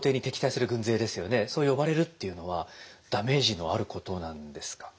そう呼ばれるっていうのはダメージのあることなんですか？